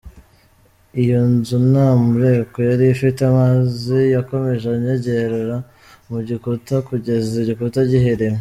Iyo nzu nta mureko yari ifite amazi yakomeje anyengerera mu gikuta kugeza igikuta gihirimye….